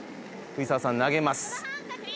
「藤澤さん投げます」